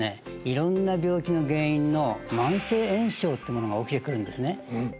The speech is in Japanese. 色んな病気の原因の慢性炎症ってものが起きてくるんですね